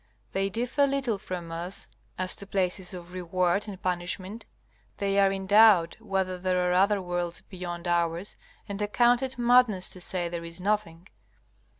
They differ little from us as to places of reward and punishment. They are in doubt whether there are other worlds beyond ours, and account it madness to say there is nothing.